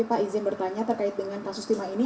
pak izin bertanya terkait dengan kasus timah ini